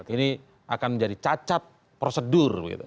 ini akan menjadi cacat prosedur